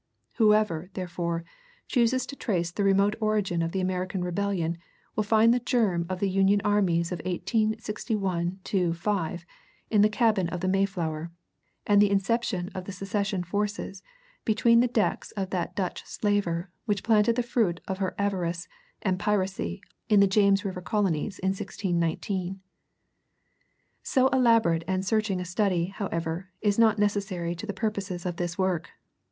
Whoever, therefore, chooses to trace the remote origin of the American Rebellion will find the germ of the Union armies of 1861 5 in the cabin of the Mayflower, and the inception of the Secession forces between the decks of that Dutch slaver which planted the fruits of her avarice and piracy in the James River colonies in 1619. So elaborate and searching a study, however, is not necessary to the purposes of this work.